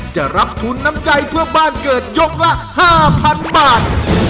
จะรับทุนน้ำใจเพื่อบ้านเกิดยกละ๕๐๐๐บาท